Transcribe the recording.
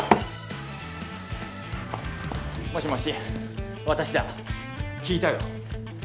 もしもし私だ聞いたよ